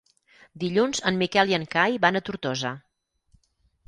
Dilluns en Miquel i en Cai van a Tortosa.